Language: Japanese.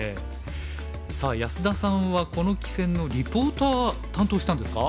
さあ安田さんはこの棋戦のリポーター担当したんですか？